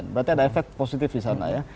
berarti ada efek positif di sana ya